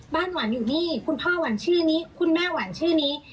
หวันอยู่นี่คุณพ่อหวันชื่อนี้คุณแม่หวันชื่อนี้